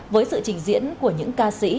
với sự trình diễn của những ca sĩ